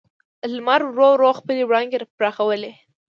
لمر ورو ورو خپلې وړانګې پراخولې.